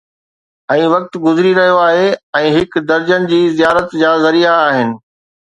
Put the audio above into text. ۽ وقت گذري رهيو آهي ۽ هڪ درجن جي زيارت جا ذريعا آهن